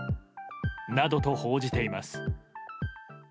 などと報じています。